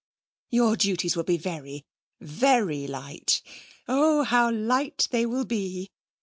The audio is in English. Your duties will be very, very light. Oh, how light they will be!